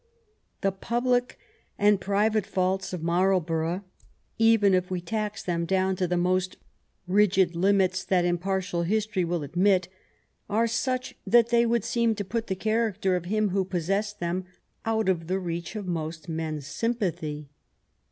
'^ The public and private faults of Marlborough, even if we tax them down to the most rigid limits that impar tial history will admit, are such that they would seem to put the character of him who possessed them out of the reach of most men's sympathy.